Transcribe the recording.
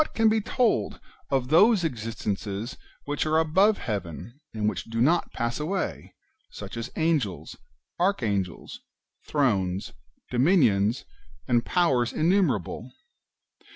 233 can be told of those existences which are above heaven, and which do not pass away, such as Angels, Archangels, Thrones, Dominions, and Powers innumerable